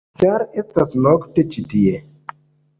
ĉar estas nokte ĉi tie-.